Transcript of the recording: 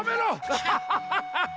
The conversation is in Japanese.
アハハハハ！